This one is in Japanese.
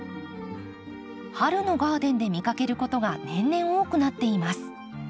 春のガーデンで見かけることが年々多くなっています。